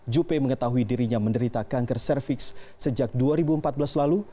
juppe mengetahui dirinya menderita kanker cervix sejak dua ribu empat belas lalu